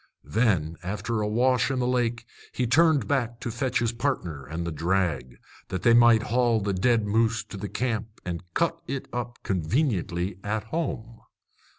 Then, after a wash in the lake, he turned back to fetch his partner and the drag, that they might haul the dead moose to the camp and cut it up conveniently at home.